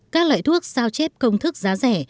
các loại thuốc sao chép công thức giá rẻ